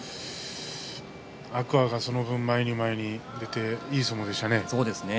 天空海がその分前に前に出ていい相撲でしたね。